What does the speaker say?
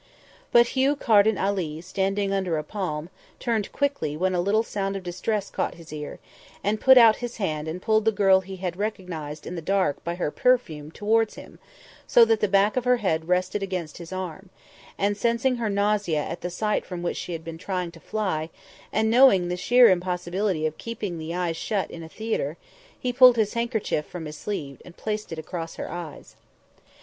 But Hugh Carden Ali, standing under a palm, turned quickly when a little sound of distress caught his ear, and put out his hand and pulled the girl he had recognised in the dark by her perfume towards him, so that the back of her head rested against his arm; and sensing her nausea at the sight from which she had been trying to fly, and knowing the sheer impossibility of keeping the eyes shut in a theatre, he pulled his handkerchief from his sleeve and placed it across her eyes.